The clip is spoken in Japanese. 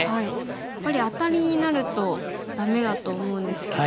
やっぱりアタリになるとダメだと思うんですけど。